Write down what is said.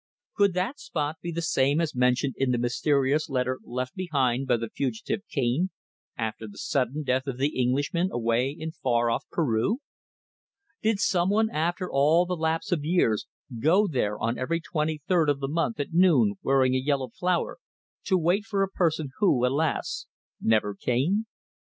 Could that spot be the same as mentioned in the mysterious letter left behind by the fugitive Cane after the sudden death of the Englishman away in far off Peru? Did someone, after all the lapse of years, go there on every twenty third of the month at noon wearing a yellow flower, to wait for a person who, alas! never came?